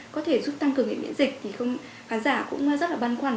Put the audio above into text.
có thể giúp tăng cường miễn dịch thì khán giả cũng rất là băn khoăn